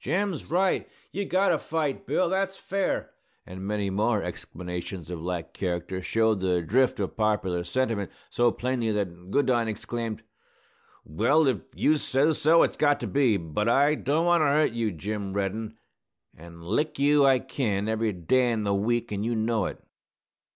"Jim's right! You've got to fight, Bill! That's fair!" and many more exclamations of like character, showed the drift of popular sentiment so plainly that Goodine exclaimed, "Well, if you sez so, it's got to be! But I don't want to hurt you, Jim Reddin; an' lick you I kin, every day in the week, an' you know it!"